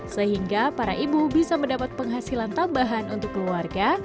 sehingga para ibu bisa mendapat penghasilan tambahan untuk keluarga